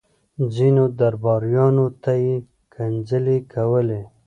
ځينو درباريانو ته يې کنځلې کولې.